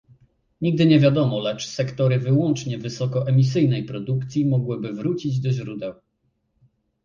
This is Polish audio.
Nigdy nie wiadomo, lecz sektory wyłącznie wysokoemisyjnej produkcji mogłyby wrócić do źródeł